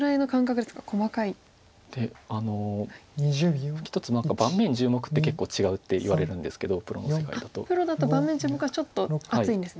で一つ盤面１０目って結構違うっていわれるんですけどプロの世界だと。プロだと盤面１０目はちょっと厚いんですね。